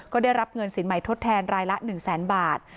ก็ได้รับเงินสินใหม่ทดแทนรายละ๑แสนบาท